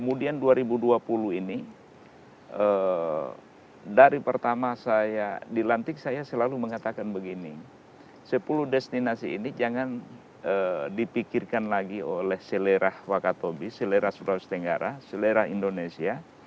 kemudian dua ribu dua puluh ini dari pertama saya dilantik saya selalu mengatakan begini sepuluh destinasi ini jangan dipikirkan lagi oleh selera wakatobi selera sulawesi tenggara selera indonesia